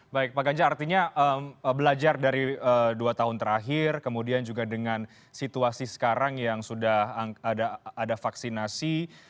baik pak ganjar artinya belajar dari dua tahun terakhir kemudian juga dengan situasi sekarang yang sudah ada vaksinasi